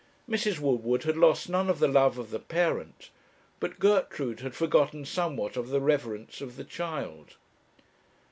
Mrs. Woodward had lost none of the love of the parent; but Gertrude had forgotten somewhat of the reverence of the child.